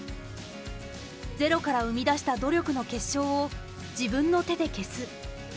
ゼロから生み出した努力の結晶を自分の手で消す。